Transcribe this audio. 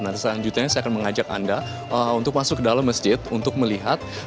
nah selanjutnya saya akan mengajak anda untuk masuk ke dalam masjid untuk melihat